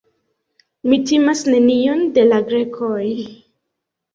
Mi timas nenion de la Grekoj.